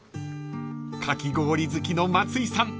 ［かき氷好きの松井さん